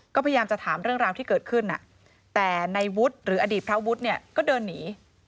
ก็พยายามจะถามเรื่องราวที่เกิดขึ้นแต่ในวุฒิหรืออดีตพระวุฒิเนี่ยก็เดินหนี